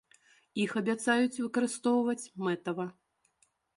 Іх абяцаюць выкарыстоўваць мэтава.